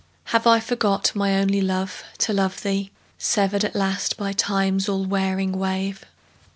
Have I forgot, my only love, to love thee, Severed at last by Time's all wearing wave?